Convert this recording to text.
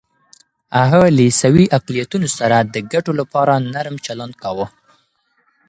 هغه له عیسوي اقلیتونو سره د ګټو لپاره نرم چلند کاوه.